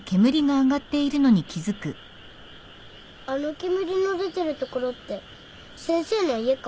あの煙の出てる所って先生の家か？